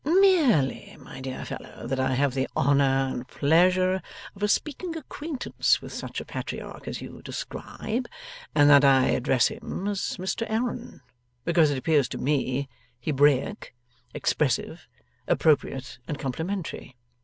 'Merely, my dear fellow, that I have the honour and pleasure of a speaking acquaintance with such a Patriarch as you describe, and that I address him as Mr Aaron, because it appears to me Hebraic, expressive, appropriate, and complimentary.